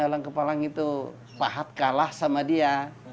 kalau yang kepalang kepalang itu pahat kalah sama dia